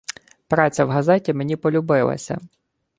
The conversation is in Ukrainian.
Праця в газеті мені полюбилася